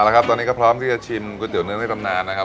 เอาล่ะครับตอนนี้ก็พร้อมที่จะชิมก๋วยเตี๋ยวเนื้อไม่ลำนานนะครับ